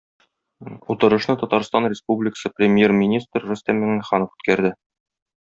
Утырышны Татарстан Республикасы Премьер-министры Рөстәм Миңнеханов үткәрде.